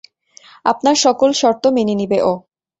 আপনার সকল শর্ত মেনে নিবে ও।